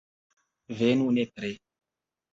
Venu nepre.